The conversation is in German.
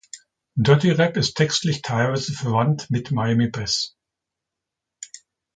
Dirty Rap ist textlich teilweise verwandt mit Miami Bass.